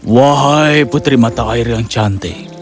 wahai putri mata air yang cantik